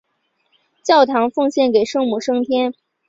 教堂奉献给圣母升天。